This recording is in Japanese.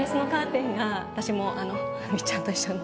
私もみっちゃんと一緒の。